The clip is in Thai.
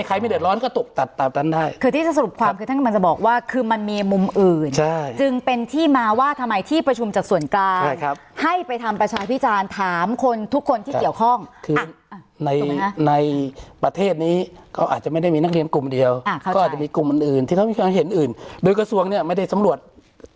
ใครไม่เดือดร้อนก็ตกตัดตามนั้นได้คือที่จะสรุปความคือท่านกำลังจะบอกว่าคือมันมีมุมอื่นใช่จึงเป็นที่มาว่าทำไมที่ประชุมจากส่วนกลางใช่ครับให้ไปทำประชาพิจารณ์ถามคนทุกคนที่เกี่ยวข้องคือในในประเทศนี้ก็อาจจะไม่ได้มีนักเรียนกลุ่มเดียวก็อาจจะมีกลุ่มอื่นอื่นที่เขามีความเห็นอื่นโดยกระทรวงเนี่ยไม่ได้สำรวจ